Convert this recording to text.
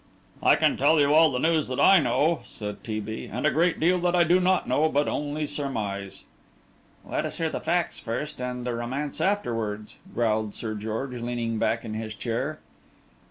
"I can tell you all the news that I know," said T. B., "and a great deal that I do not know, but only surmise." "Let us hear the facts first and the romance afterwards," growled Sir George, leaning back in his chair.